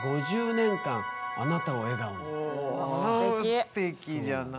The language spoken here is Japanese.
すてきじゃないの。